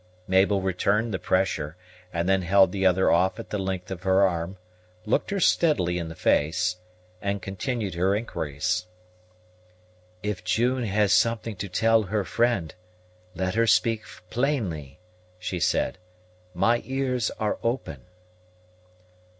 Mabel returned the pressure, and then held the other off at the length of her arm, looked her steadily in the face, and continued her inquiries. "If June has something to tell her friend, let her speak plainly," she said. "My ears are open."